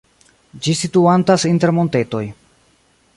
Ĝi situantas inter montetoj.